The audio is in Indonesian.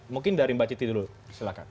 mungkin dari mbak titi dulu silahkan